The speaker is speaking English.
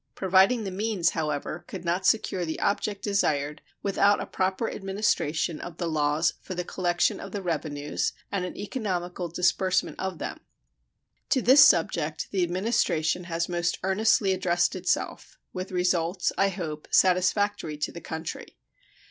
Providing the means, however, could not secure the object desired without a proper administration of the laws for the collection of the revenues and an economical disbursement of them. To this subject the Administration has most earnestly addressed itself, with results, I hope, satisfactory to the country.